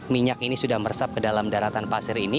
minyak ini sudah meresap ke dalam daratan pasir ini